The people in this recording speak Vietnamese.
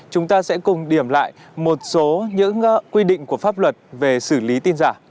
chúng ta sẽ cùng điểm lại một số những quy định của pháp luật về xử lý tin giả